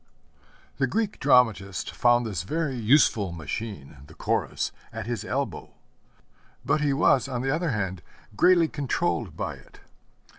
The Greek dramatist found this very useful machine, the Chorus, at his elbow; but he was, on the other hand, greatly controlled by it.